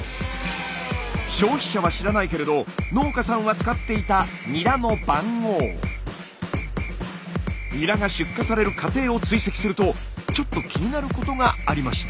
消費者は知らないけれど農家さんは使っていたニラが出荷される過程を追跡するとちょっと気になることがありました。